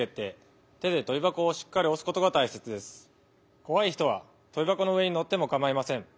こわい人はとびばこの上にのってもかまいません。